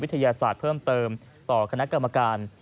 ศาสตร์เพิ่มเติมต่อคณะกรรมการ